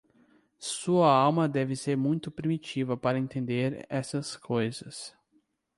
Sua alma deve ser muito primitiva para entender essas coisas.